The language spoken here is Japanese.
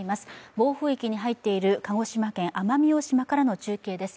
暴風域に入っている鹿児島県奄美大島からの中継です。